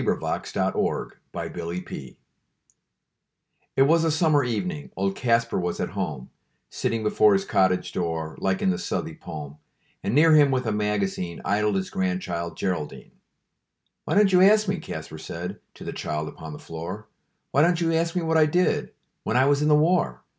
"It Was a Famous Victory" (1944) IT was a summer evening; Old Kaspar was at home, Sitting before his cottage door Like in the Southey pome And near him, with a magazine, Idled his grandchild, Geraldine. "Wy don't you ask me," Kaspar said To the child upon the floor, "Why don't you ask me what I did When I was in the war?